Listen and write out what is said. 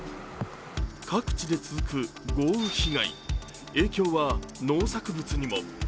各地で続く豪雨被害影響は農作物にも。